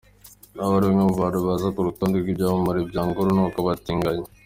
Nawe ni umwe mu bantu baza ku rutonde rw’ibyamamare byanga urunuka abatinganyi.